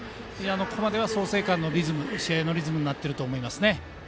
ここまで創成館の試合のリズムになっていると思います。